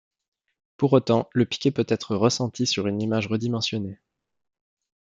Pour autant le piqué peut être ressenti sur une image redimensionnée.